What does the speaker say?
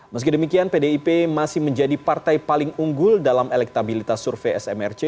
meski demikian pdip masih menjadi partai paling unggul dalam elektabilitas survei smrc